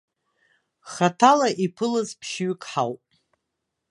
Хаҭала иԥылаз ԥшьҩык ҳауп.